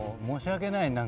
申し訳ない。